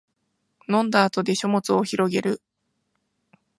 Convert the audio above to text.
飲んだ後で書物をひろげる